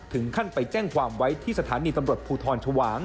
ถึงขั้นไปแจ้งความไว้ที่สถานีตำรวจภูทรชวาง